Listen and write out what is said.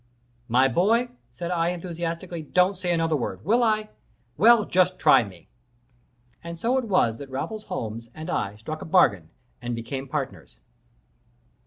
"My boy," said I, enthusiastically, "don't say another word. Will I? Well, just try me!" And so it was that Raffles Holmes and I struck a bargain and became partners.